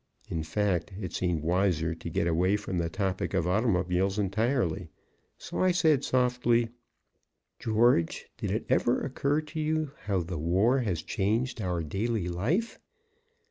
In fact, it seemed wiser to get away from the topic of automobiles entirely. So I said softly: "George, did it ever occur to you how the war has changed our daily life?